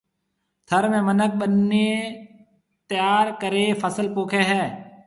ٿر ۾ مِنک ٻنيَ تيار ڪرَي فصل پوکيَ ھيََََ